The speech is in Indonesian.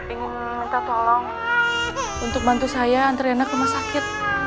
ingin minta tolong untuk bantu saya antar reina ke rumah sakit